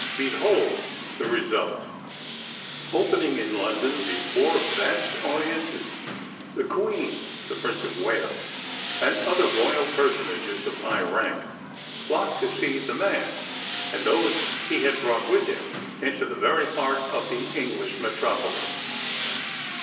Behold the result! Opening in London before vast audiences, the queen, the Prince of Wales, and other royal personages of high rank flocked to see the man and those he had brought with him into the very heart of the English metropolis.